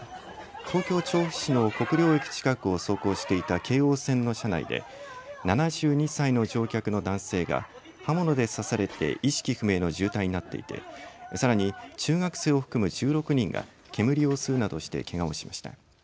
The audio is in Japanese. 東京調布市の国領駅近くを走行していた京王線の車内で７２歳の乗客の男性が刃物で刺されて意識不明の重体になっていてさらに中学生を含む１６人が煙を吸うなどしてけがをしました。